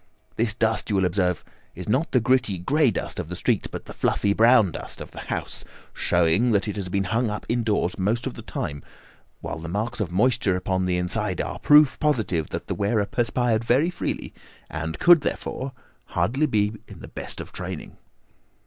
This dust, you will observe, is not the gritty, grey dust of the street but the fluffy brown dust of the house, showing that it has been hung up indoors most of the time, while the marks of moisture upon the inside are proof positive that the wearer perspired very freely, and could therefore, hardly be in the best of training."